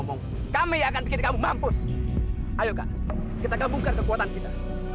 sucian kamu banyak banget hari ini